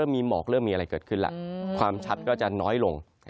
ไปมั้ง